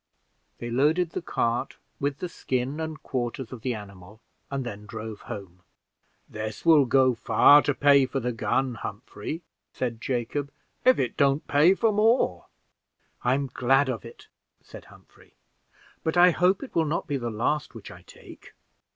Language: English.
They loaded the cart with the skin and quarters of the animal, and then drove home. "This will go far to pay for the gun, Humphrey," said Jacob, "if it don't pay for more." "I am glad of it," said Humphrey, "but I hope it will not be the last which I take."